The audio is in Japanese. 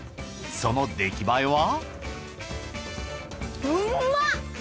その出来栄えは？